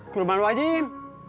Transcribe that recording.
ke rumah lo aja im